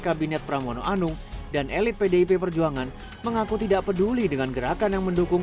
kabinet pramono anung dan elit pdip perjuangan mengaku tidak peduli dengan gerakan yang mendukung